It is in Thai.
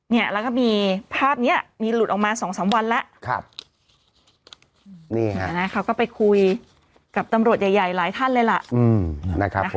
เนี่ยแล้วก็มีภาพเนี้ยมีหลุดออกมาสองสามวันแล้วครับนี่ค่ะนะเขาก็ไปคุยกับตำรวจใหญ่ใหญ่หลายท่านเลยล่ะ